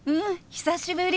久しぶり！